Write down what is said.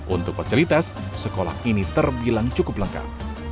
untuk fasilitas sekolah ini terbilang cukup lengkap